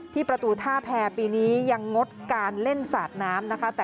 ประตูท่าแพรปีนี้ยังงดการเล่นสาดน้ำนะคะ